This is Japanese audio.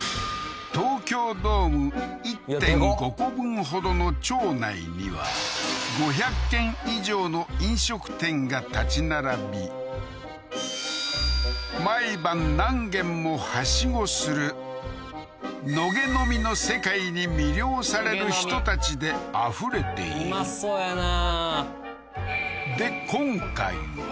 東京ドーム１．５個分ほどの町内には５００軒以上の飲食店が建ち並び毎晩何軒もハシゴする野毛飲みの世界に魅了される人たちであふれているうまそうやな何？